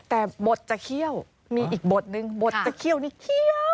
แต่บทจะเคี่ยวมีอีกบทนึงบทจะเคี่ยวนี้เคี้ยว